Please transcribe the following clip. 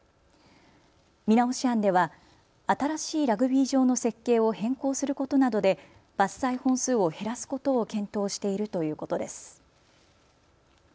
見直し案では新しいラグビー場の設計を変更することなどで伐採本数を減らすことを検討しているということです。